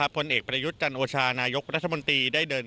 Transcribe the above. ผลเอกประยุทธ์จันทร์โอชานายกรัฐมนตรี